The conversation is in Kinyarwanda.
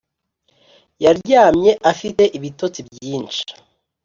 yaryamye afite ibitotsi byinshi